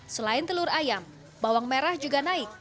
selain telur ayam bawang merah juga naik